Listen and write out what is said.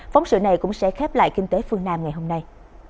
phóng sự này cũng sẽ khép lại kinh tế phương nam ngày hôm nay